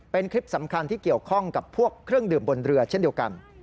เป็นคลิปสำคัญที่เกี่ยวข้องกับพวกเครื่องดื่มบนเรือเช่นเดียวกัน